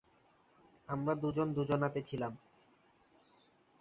আমরা দুজন দুজনাতে ছিলাম।